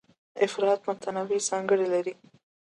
افراد متنوع ځانګړنې لري.